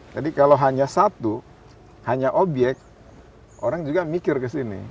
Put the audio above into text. jadi kalau hanya satu hanya obyek orang juga mikir ke sini